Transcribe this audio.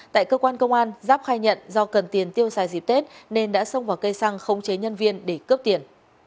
tại cơ quan công an giáp khai nhận do cần tiền tiêu xài dịp tết nên đã xông vào cây xăng khống chế nhân viên để cướp tiền